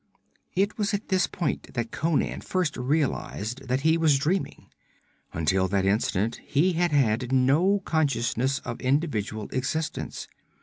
It was at this point that Conan first realized that he was dreaming. Until that instant he had had no consciousness of individual existence.